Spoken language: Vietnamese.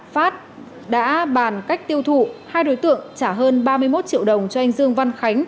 phát đã bàn cách tiêu thụ hai đối tượng trả hơn ba mươi một triệu đồng cho anh dương văn khánh